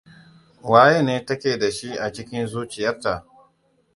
Waye ne ta ke da shi a cikin zuciyarta?